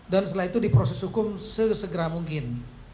dan setelah itu diproses hukum sesegera mungkin